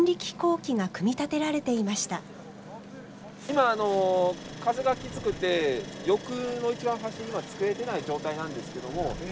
今あの風がきつくて翼の一番端今つけれてない状態なんですけども。